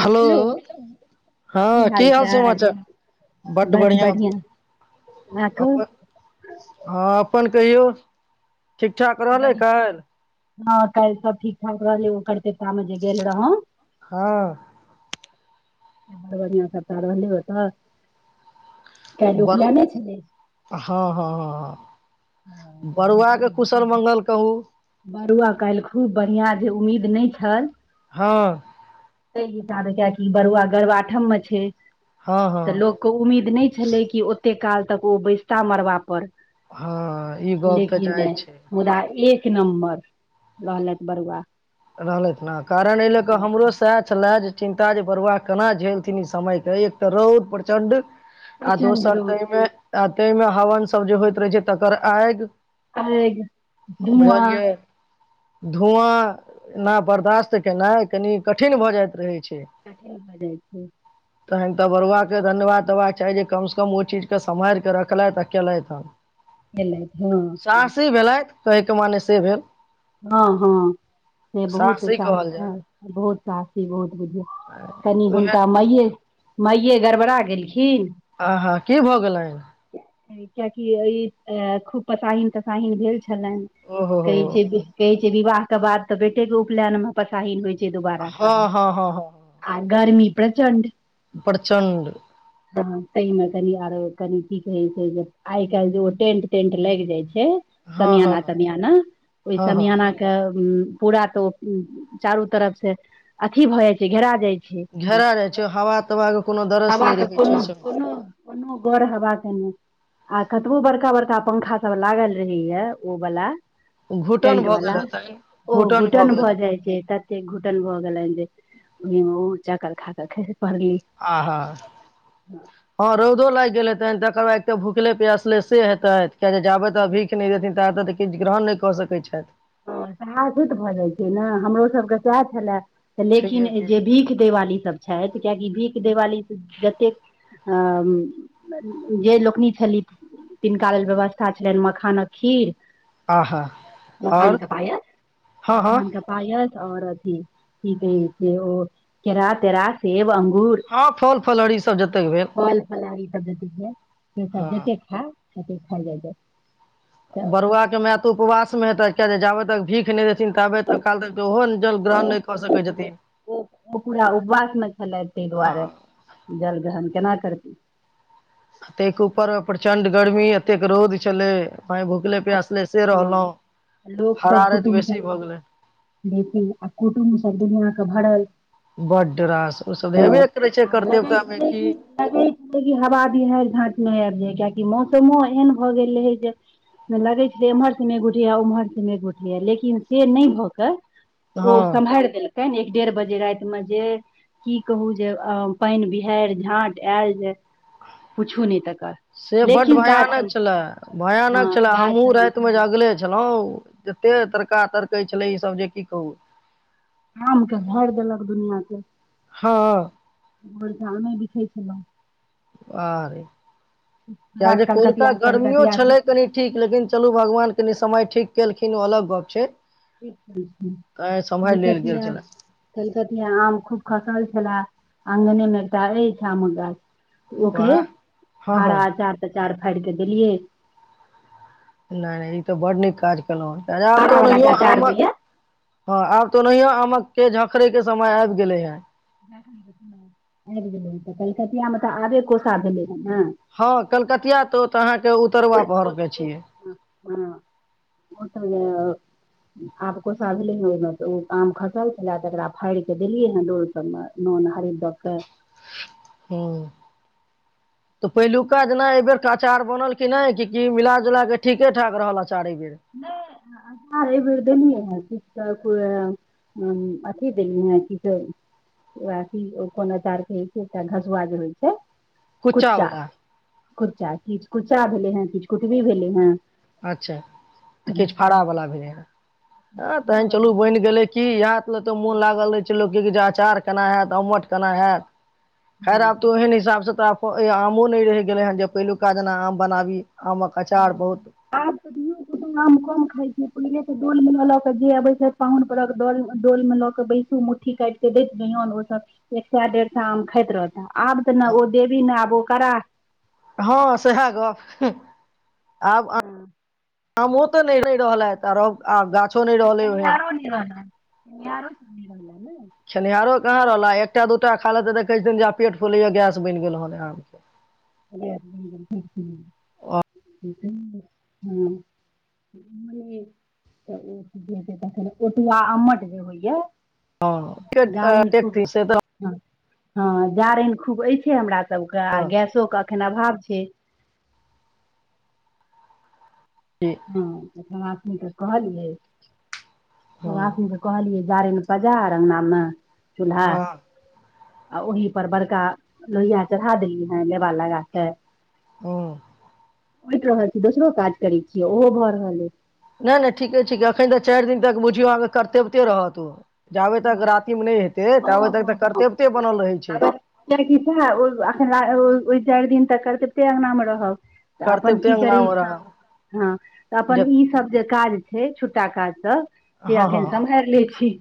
Hello हँ की हाल समाचार बड बस बढ़िआं बढ़िआँ अहाँ कहू अपन हँ अपन कहियौ ठीक ठाक रहलै बड़ी काईल हँ काल सब ठीक ठाक रहलै ओ करत त म ग गेलल रह ह। हँ बड़ बढ़िआ सतार रहली हो त। बर हँ हँ हँ हँ। ह बड़ुआके कुशल मंगल कहू बरुआ कालल खूब बढ़िियां जे उम्मीद नहि छल हँ त हिसाबे कियकि बड़ुआ गरबाठम मे छै हँ हँ तऽ लोकके उम्मीद नहि छलै कि ओ कते काल तक ओ बैसता मरबा पर हँ ई गप तऽ लेकिन जाइ छै मुदा एक नम्बर लहलत बरुआ रहलथि ने कारण एहि लऽ कऽ हँ, हमरो सा छले जे चिन्ता जे बरुआ केना झेलथिन ई समयके एक तऽ रौद प्रचं्ड आ प्रचंड दोसर रौद तहिमे तहिमे हवन सब जे होइत रहै छै तकर आगि आर धुआँ बुझलियै धुआँ ना बर्दाश्त केनाइ कनि कठिन भऽ जाइत रहैत छै क ब जा छै तहन तऽ बरुआके धन्यवाद तऽवाद चाही जे कम से कम ओ चीज के सम्हार कऽ रखलथि आ केलथि हँ भेल हँ भेलथि कहैके मनेे से भेल हँ हँ से बहुत साहसी कहल जाय अच्छाच्छा बहुत साफी बहुत कनि उएह हुनका मइए मइए गड़बड़ा भेलेल आ हँ की भऽ गेलनि कियाकि ई अ खूब पसाहिन तसाहिन भेल छै छललन ओहो हो कहई छै छै विवाह के बाद तऽ बेटे के उपनयन मे पसाहिन होइ छै। दुबारा हँ हँ हँ हँ आ गर्मी। प्रचण्ड। प्रचण्ड हँ तहि मजा न य। कनी की कहे छै जे आइ काल्हि जे ओ टेंट तेंट लगि जाय छै हँ हँ सममियाना तमियाना ओहि हँ हँ चमियानाके पूरा तऽ ओ चारू तरफ से अथी भऽ जाय छै घेरा जाय छै। घेरा जाइ छै हवा तवाके कोनो दरस हा नहि रहै छै कोनो ओहिसँ कोनो कोनो गर हवा के नहि। आ कतबो बड़का बड़का पंखा सभ लागल रहैय ओ वला। घुटन टेंट भऽ वालला गेल हेतनि ओ घुटन गेल भऽ हेतनि जाइ छै ततेक घुटन भए गेल जे। चकर खााक खे। आ ह हँ रौदो लागि गेल ह त त। तकर बाद एक तऽ भुखले पियासले से हेतै। क जाब त अभीख नहि रहथिन। ततऽ एतऽ त किछु ग्रहण नहि कऽ सकैत छथि। ह सएह सुत भऽ जाइत छै ने हमरोसभके सएह छलए। लेकिन छैहे कि जे भीख देिवाली सब छथि कियकि भीख। दिवाली जतेक अ जे लोकनि छली तिनका लेल व्यवस्था छलनि मखानक खीर। आ हाँ। मखान क पायस मखान क पायस। आओर अथी की कही छै ओ केरा तेरा सेब अ। हँ फल फलहरी सब जतेक भेल फल फलहारी प सब हँ जते खा। कथी खइ जा जा। [inaudible] बरुआ के मै तऽ उपवास मे हेतै। जाबत तक भीख नहि। न्ब त काल तक ओहो जल ग्रहण नहि कऽ सकै छथिन ओ पूरा उपवासमे छलथि ताहि ह। सर्दी। त एक पर प्रचं्ड गरमी। प्रत्येक रौद छल पाय भुकले। पसले से हँ रहलहु लोक सब हराारत कुटुम्ब बेसी सब भऽ गेलै। बेसी आ कुटुम्ब सब दुनिया के भरल। बड्ड रास ओसभ हेबे [unintelligible] करै छै हा कर्तव्यता मे की भी है घाट मे। जे कआाकि मौसमो एहन भऽ गेले हे जे। लगै छल एम्हर समे घुठैा उम्हर समे घुठैया लेकिन से नहि भऽ केऽ। ओ हँ सम्भहार देल एक डेढ़ बजे राति मे जे की कहू जे पानि बिहाड़ि झाट आयल जे पूछू नहि त से बड भयानक छलए हँ भयानक छलए हम काज सब मुँहत मजागलै। छलहु जते तड़का तड़कै छलै ई सब जे की कहू। आाम के भारि देलक दुनिया के [unintelligible] हँ घर धमेमे बिछै छलहु आरे हमरा कियक जे कोलका कलकतिया गर्मियो कलकतिया से छलै कनि ठीक लेकिन चलू भगवान कनि समय ठीक केलखिन ओ अलग गप छै ठीक तैं सम्हारि लेल गेल कलकतििया छलए कलकतििया आ खूब खसल छल अङंगने मे ते शाम गाछ ओ कह वाह हँ हँ बारह चार तक चड़ फाड़ केऽ देलियै नहि नहि ई तऽ बड नीक काज आब फाड़ा तऽ वाला जे अचार ओनाहियोम होइया ह आब तऽ ओनहियो नामक के झखड़े के समय आबि गेले हे आबि गेलै त कलकियामे तऽ आबे कोसा भेलै हँ कलकतिया तो तऽ अहाँ के उतरबा पहर ओ के तऽ छियै हँ ओसभ जे आब कोसा भेलै हे ओहिमे तऽ ओ आम खसल छलए तकरा फाड़ि कऽ देलियै हे डोल सभमे नून हरीद दऽ कऽ ह्म तऽ पहिलुका जेना एहि बेेर अचार बनल कि नहि कि मिलााजुला कऽ ठीके ठाक रहल अचार एहिबेर अचार एहि बेेर देलियै हे किछु तऽ अथी देलियै ह कि अथी कोन अचारके एकटा घसआ जे होइ छै कुच्चा कुच्चावला कुच्चा ची क कचा भेले है किछ कुटबी भेले हैँ अच्छा केच फड़ा बला तैन हँ बनै चलू बनि गेलै की याद तऽ मन छै। लागल रहै छै की अचार केना हयत अमठ केना हयत खैर हँ आब तोह ने हसाबसँ तऽ ओ आमो नहि रहि गेले हेन जे पहिलुका जेना हम बनाबी। आमक अचार हँ, बहुत आब त धियो पुतो आम कम खाय छैय पहिले ते डोल मे ल ल के जे अबय छैय पाहुन परक ड डोल में ल के बैसू मुट्ठी काटि के देैत रहियौन ओ सब एक सैय डेढ़ सैय आम खाइत रहधिन्ह आब तऽ ने ओ देवी ने आब ओ कराह हँ सेहे गप हँ आ ओ तऽ नहि रहललै तारो आ गाछो नहि रहलै ओहे यारो सबी रहल ह ने खेनिहारो कहाँ रहला एकटा दू टा खा लेतै तऽ कहै छथिन्ह जे आब पेट फुलैये गैस बनि गेल हन आमके उटिया अम्मट जे होयये हँ [unintelligible] हँ जारनि खूब ऐेछे हमरा सबके आ गैसो एखन अभाव छैय हँ हम तऽ कहलियै हँ वौआसिन के कहलियै। जारनि पजार अंगना मे। चुलहा हँ आ ओही पर बड़का लोहिया चढ़ा देलियै हेँ लेबा लगा के ओऽ होइत रहल छी दोसरो काज करी से ओहो भऽ रहल ऐह नहि नहि ठीके छैय की अखन तऽ चारि दिन तक बुच्ची बबा के करतेबिते रहत उ [unintelligible] तऽ कर्तव्यते बनल रहै छै चारि दिन तक करतरते अंगना मे रहब तऽ अपन कर्तव्यते की करी अङ्गनामे रहत हँ तऽ अपन जब ई सब जे काज छैय छुटा काज सब से हँ हँ अखन हँ सम्हारि लै छी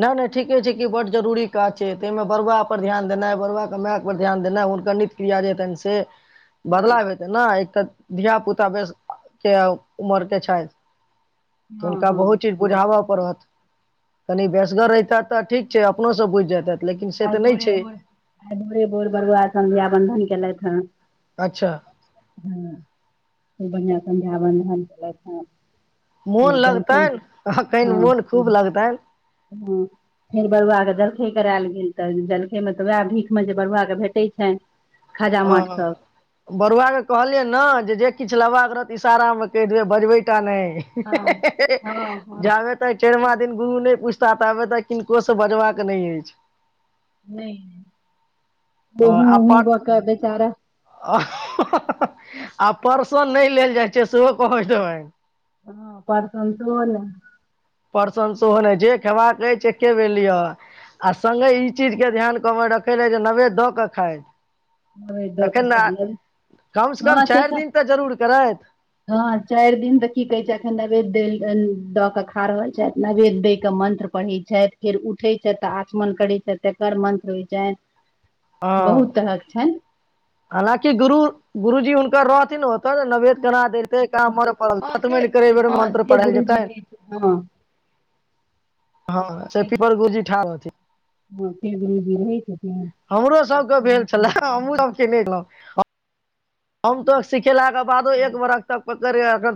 नहि नहि ठीके छैय कि बड्ड जरूरी काज छैय तहिमे बरूआ पर ध्यान देनाय बरूआ के माय पर ध्यान देनाय हुनकर नित्य क्रिया जे हेतनि से हँ बदलाव हेतै ने एक तऽ धिया पुता के के उमर के छैथ तऽ हँ हनका हँ बहुत चीज बुझाब पड़त कनि ब्यस घर रहहिता तऽ ठीक अपनो सब बुझि जेतै आइ भोरे भोर आइ भोरे भोर बरुआ समझ्या बंधन केले हँ अच्छा ह ख बढ़िआँ संध्यावंधन केलैथ हँ मोन लगतनि अखैन मोन खूब लगतनि। पुं फेर बरुआ के जलखै करायल गेल तऽ जलखै मे तऽ वैह भीख मे जे बरुआ के भेटै छैन्ह हँ हँ बरुआ के कहलियै न जे किछ लेबाक रहत इशारा मे कहि देबै बजबे टा नहि हँ हँ हँ जाब तऽ चेरमा दिन गुरु नहि पु साथ आबे तऽ किनको से बजबाक के नहि अछि नहि बँ आ ह पर बक बेचारा आ परसो नहि लेल जाइ छै सेहो पहुँच देबै हँ परसन त हो ने प्रं सेहो नहि जे खेबाक अछि से खबे लिअ आ सङ्गे ई चीज के ध्यान कमे रखै लेल जे नवेद दऽ क खायइत दऽ के तखन ने खाय कम से कम चारि दिन तऽ जरूर करैत हँ चारि दिन तऽ की कहै छै एखन न बेेद देल दऽ कऽ खा रहल छथि नैवेद्य दय के मन्त्र पढ़ैत छथि फेर उठैत छथि तऽ आचमन करैत छथि तर मन्त्र होइ छनि ह बहुत तरहक छनि हालाँकि गुरु गुरुजी उनक रहथिन ओतऽ नैवेद केना देते हँ से ड़ बेर हँ मंत्र से पढ़ल गुरुजी जेतै रहै छथिन। हँ ह से पपर गुजी ठ [unintelligible] हँ फगजी रहै छै हमरो सबके भेल छलए हमहहुँ सबकेनेहुँ हम तऽ स खेलाके बादो एक बरख तक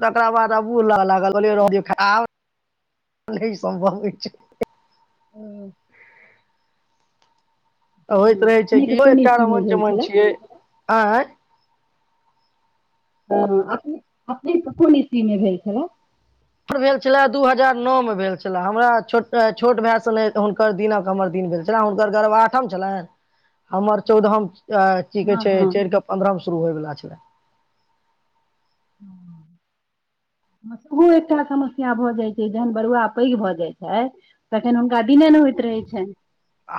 तकरा बाद आब लल सम्भव छै होइत रहै छै अपनेके कि कोन एकटा ईस्वी मे रमन भेल चमन छलए छियै आठ ह अपने को ीमे भेल खा हम भेल छलए दू हजार नओमे भेल छलए हमरा छोट छोट भायसँ नहि हुनकर दिनक हमर दिन भेल छलए हुनकर गर्व आठम छलनि हमर चौदहम अ की कहे हँ छै हँ चढ़ के पन्द्रह स शुरू होइ गेलला छलै ओ एकटा समस्या भऽ जाइत छै जहन बरुआ पैघ भऽ जाइत छै तखन हुनका दिने ने होइत रहैत छनि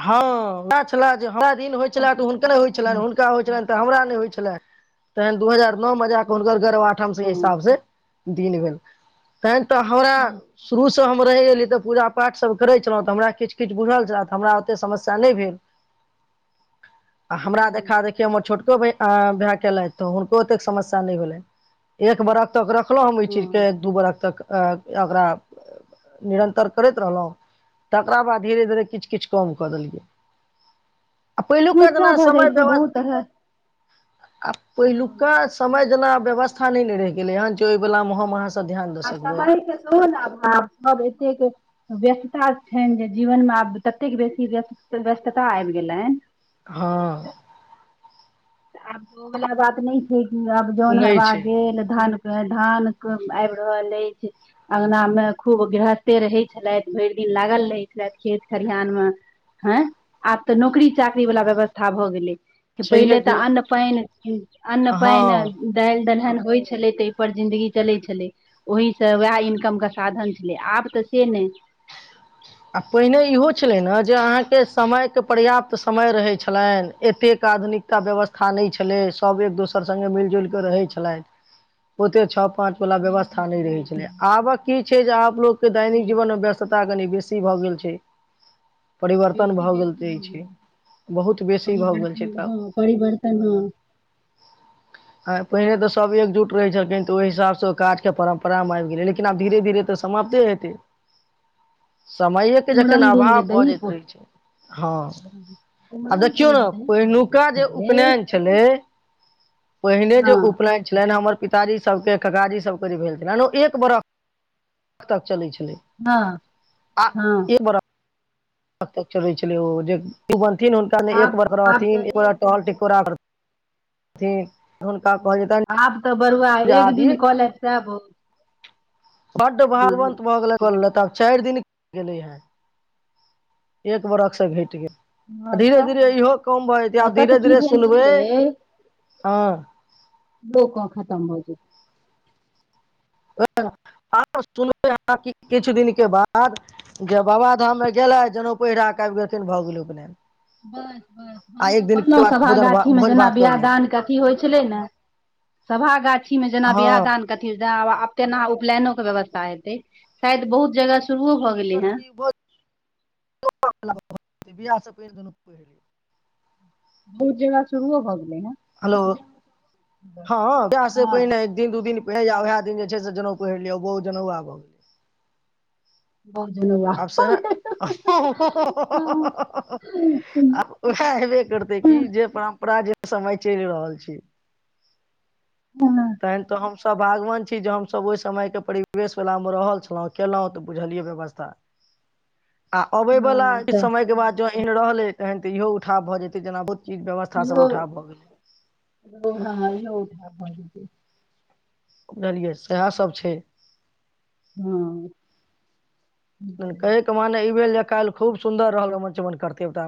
हँ उएह छल जे हमरा दिन होइत छले तऽ हुनके होइत छलनि हँ हुनका होइत छलनि हमरा नहि होइ छलै तहन दू हजार नओ मे जााकऽ हुनकर गर्व आठम से हँ हिसाब से दन भेलन त तऽ हमरा शुरू हम रहहि एली तऽ पूजाठ सब करे छलहुँंऽ हमरा किछु किछु बुझल छल हमरा ओते समस्या नहि भेल आ हमरा हँ देखा देखे मे छोट भाय केलथि तऽ हुनको ओतेक समस्या नहि भेलनि एक बरक तक रखलो ह हम ओहि चीज के एक दू बरख तक अ ओकरा निरंतर करैत रहलहुँ तकरा बाद धीरे धीरे किछु किछु कम कऽ देलियै आ पहिलुका सछा जेना भऽ जाइ छै बहुत तरह आब पहिलुका समय [unintelligible] आ सकबै समर ज ने एत व्यस्तता छनि जे जीवनमे आब ततेक बेसी व्यस्त व्यस्तता आबि गेलनि हँ आब ओ वला बात नहि छै आब जन नहि हरबा छै गेल धान धान आबि रहल अछि अङगना मे खूब गृहस्थे रहै छलथि भरि दिन लागल रहै छलथि खेत खलहान मे हँ आब तऽ नौकरी चाकरी वालला व्यवस्था भऽ गेलै एप इल छैहे त कि अन्न पान अन्न पान हँ दाल देलहन होइ छलै तऽपर जिंन्दगी चलै छलै ओहिसँ उएह इनकमके साधन छलै आब तऽ से नहि आ पहिने इहो छलै ने जे अहाँके समय के पर्याप्त समय रहैत छलनि एतेक आधुनिकता व्यवस्था नहि छलै सभ एक दोसर सङ्गे मिल जुलि कऽ रहैत छलथि ओते छ पाँच वला व्यवस्था नहि रहै छलै आबक की छै जे आपलोग के दैनिक जीवन मे बेसी व्यस्तता कनि बेसी ी भऽ गेल छै परिवर्तन बेसी भऽ बेसी हो गेल छै बहुत बेसी भऽ गेल छै परिवर्तन तऽ हँ परिवर्तन हँ आ पहिने तऽ सब एकजुट रहै छलखिन तऽ ओहि हिसाबसँ ओ काज परम्परा आाम आब गेलै लेकिनब धीर धीरे तऽ समाप्त ह त समयके जखन कुमरम दिन अभाव जे दही बऽजैत रहै छै हँ आ कुमरम दिन देखियौ ने जे दही पौरि दै पहिनुका जे छलै उपनयन छलै पहिने जे हँ उपलैन छलनिए हमर पिताजी सबके ककाजी सबके जे भेल छलनि ओ एक बरख तक चलै छै हँ आ हँ ए बरा चै छल ओ ब हुनका ल एक आब बर आब तऽ रहथिन टहल एक टो हन क कह जेता आब तऽ बरुआ एक दिन कलैथ सेह बहुत। बड्ड हँ भागवन्त भऽ गेलैथ कऽ लेलैथ आब। चारि दिन गेले हें एक बरखसँ घटि गेल हँ धीरे सएह धीरे इहो कम भऽ जेतई आब एतय तऽ धीरे की धीरे भेल सुनबै छलै हँ दो क [unintelligible] आब सुनबै अहाॅं कि किछु दिनक बाद जे बाबा धाममे गेलैथ जनेउ पहिरा के आबि गेलखिन भऽ गेलै उपनयन। बस बस आ हम एक तऽ दिन के कहलहुँ बाद सभा भोजन गाछीमे भोज जेना भात कऽ बिआाह लिअ दान के अथी होइ छलै ने सभा गाछीमे जेना बियाह हँ दानके अथी तेना आब अप तेना उपलयनो के व्यवस्था हेतै शायद बहुत जगह श शुरुओ भऽ गेलई हें। जे बियाह से पहिले जनउ पहिर लिय बहुत जगह शुरूओ भऽ गेलइ। हेलो हँ बियाहसे हँ पहिने एक दिन दू दिन उएह दिन जे छै से जनेउ पहिर लियै ओ बहुजनेउआ भऽ गेल। भोजनवा आब सेहे हं हं हं हं ह हँ ह ह आब उएह हेबे करतै कि जे परम्परा जे समय चलि रहल छै। काईल तऽ हम सब भागवंत छी जे हमसभ ओहि समय के परिवेश वला मे रहल छलहुँ केलहुँ तऽ बुझलियै व्यवस्था आ अबै वाला किछ तऽ समय के बाद जों एहन रहलै तहन तऽ इहो उठा भऽ जेते जेना चीज व्यवस्था इहो सब उठाव भऽ गेलै [unintelligible] बाज दे बुझलियै सैहसभ छै। हँ मने कहि क माने ईभेल जे काल्हि खूब सुन्दर रहल रमनचमन करतेबता